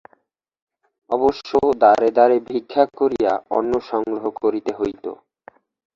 অবশ্য দ্বারে দ্বারে ভিক্ষা করিয়া অন্ন সংগ্রহ করিতে হইত।